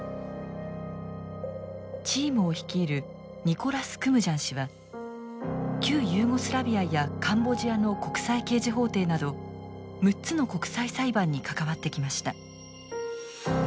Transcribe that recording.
チームを率いるニコラス・クムジャン氏は旧ユーゴスラビアやカンボジアの国際刑事法廷など６つの国際裁判に関わってきました。